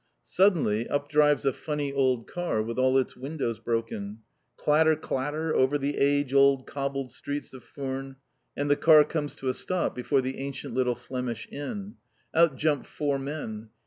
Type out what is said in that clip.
Suddenly, up drives a funny old car with all its windows broken. Clatter, clatter, over the age old cobbled streets of Furnes, and the car comes to a stop before the ancient little Flemish Inn. Out jump four men.